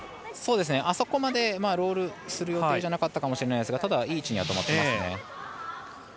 あそこまでロールする予定じゃなかったかもしれないですがただ、いい位置には止まってます。